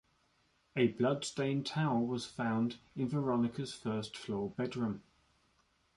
A bloodstained towel was found in Veronica's first-floor bedroom.